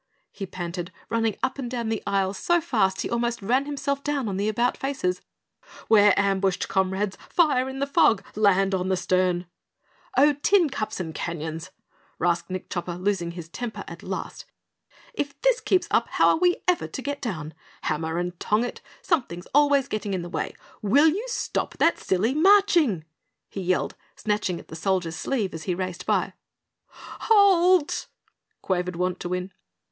he panted, running up and down the aisle so fast he almost ran himself down on the about faces. "We're ambushed, comrades! Fire in the fog! Land on the stern!" "Oh, tin cups and canyons!" rasped Nick Chopper, losing his temper at last. "If this keeps up, how are we ever to get down? Hammer and tong it! Something's always getting in the way. WILL you stop that silly marching?" he yelled, snatching at the Soldier's sleeve as he raced by. "HALT!" quavered Wantowin.